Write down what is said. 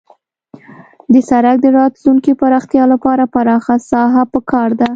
د سرک د راتلونکي پراختیا لپاره پراخه ساحه پکار ده